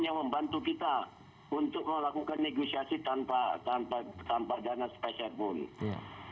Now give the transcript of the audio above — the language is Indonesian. yang membantu kita untuk melakukan negosiasi tanpa dana spesial pun